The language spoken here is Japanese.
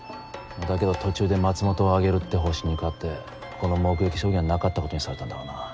だけど途中で松本を挙げるって方針に変わってこの目撃証言はなかったことにされたんだろうな。